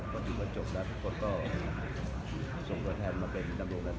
พอที่กดจบแล้วทุกคนก็ส่งตัวแทนมาเป็นตำรวจการเรียบร้อยแล้ว